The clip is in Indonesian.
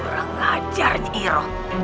kurang ajar nyi roh